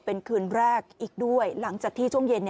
เป็นคืนแรกอีกด้วยหลังจากที่ช่วงเย็น